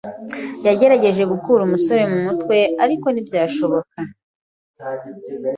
Yagerageje gukura umusore mu mutwe, ariko ntibyashoboka.